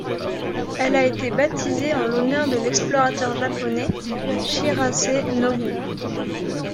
Elle a été baptisée en l'honneur de l'explorateur japonais Shirase Nobu.